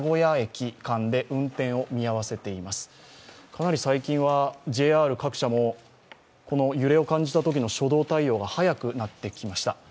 かなり最近はＪＲ各社も揺れを感じたときの初動対応が早くなってきました。